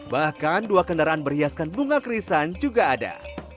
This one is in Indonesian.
bahkan dua kendaraan berhiaskan bunga krisan juga ada